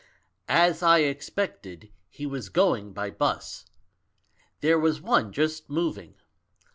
"As I expected, he was going by bus. There was one just moving.